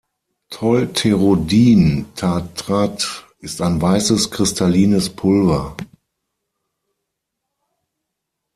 Tolterodin-Tartrat ist ein weißes, kristallines Pulver.